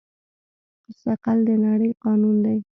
ثقل د نړۍ قانون دی.